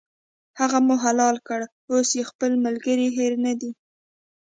هغه مو حلال کړ، اوس یې خپل ملګری هېر نه دی.